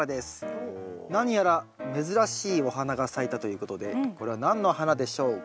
何やら珍しいお花が咲いたということでこれは何の花でしょうか？